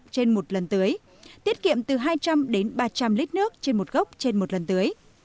trên một lần tưới tiết kiệm từ hai trăm linh đến ba trăm linh lít nước trên một gốc trên một lần tưới